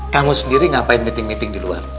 kamu sendiri ngapain meeting meeting di luar